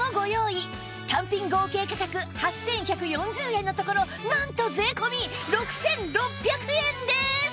単品合計価格８１４０円のところなんと税込６６００円です！